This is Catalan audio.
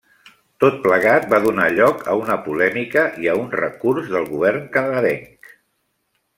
Tot plegat va donar lloc a una polèmica i a un recurs del govern canadenc.